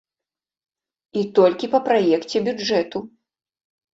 І толькі па праекце бюджэту.